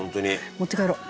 持って帰ろう！